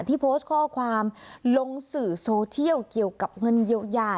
ที่โพสต์ข้อความลงสื่อโซเชียลเกี่ยวกับเงินเยียวยา